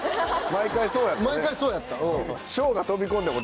毎回そうやった。